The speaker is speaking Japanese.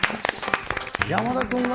山田君が。